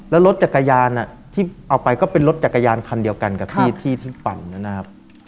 แล้วรถจักรยานที่เอาไปก็เป็นรถจักรยานคันเดียวกันกับที่ที่ปั่นนะครับ